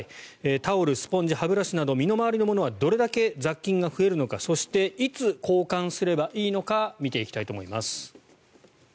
タオル、スポンジ、歯ブラシなど身の回りのものはどのぐらい雑菌が増えるのかそして、いつ交換したほうがいいのか見ていきたいと思います。